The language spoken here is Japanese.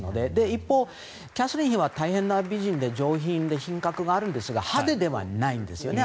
一方、キャサリン妃は大変な美人で上品で品格があるんですが派手ではないんですよね。